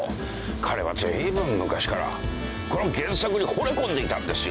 彼はずいぶん昔からこの原作にほれ込んでいたんですよ。